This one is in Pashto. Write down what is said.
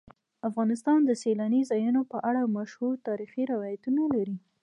افغانستان د سیلانی ځایونه په اړه مشهور تاریخی روایتونه لري.